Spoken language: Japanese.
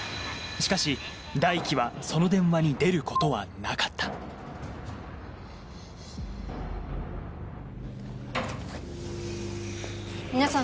しかし大樹はその電話に出ることはなかった皆さん